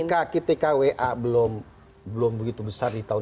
ketika ktkwa belum begitu besar di tahun dua ribu empat belas dua ribu sembilan belas